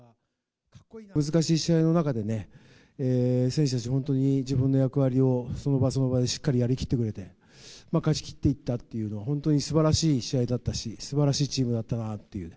難しい試合の中でね、選手たち、本当に自分の役割をその場その場でしっかりやりきってくれて、勝ちきっていったっていうのは、本当にすばらしい試合だったし、すばらしいチームだったなっていう。